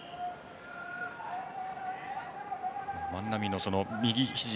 万波の右ひじ